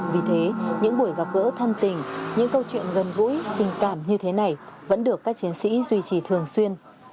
vì thế những buổi gặp gỡ thân tình những câu chuyện gần gũi tình cảm như thế này vẫn được các chiến sĩ duy trì thường xuyên